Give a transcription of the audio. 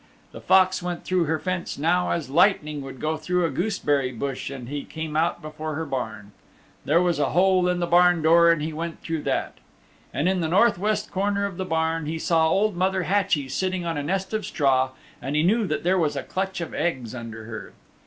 The Fox went through her fence now as lightning would go through a gooseberry bush and he came out before her barn. There was a hole in the barn door and he went through that. And in the north west corner of the barn, he saw Old Mother Hatchie sitting on a nest of straw and he knew that there was a clutch of eggs under her.